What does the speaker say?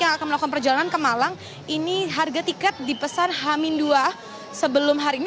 yang akan melakukan perjalanan ke malang ini harga tiket dipesan hamil dua sebelum hari ini